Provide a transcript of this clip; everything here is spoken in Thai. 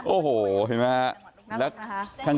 โอ้โหเห็นไหมฮะ